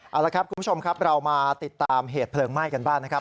เอาละครับคุณผู้ชมครับเรามาติดตามเหตุเพลิงไหม้กันบ้างนะครับ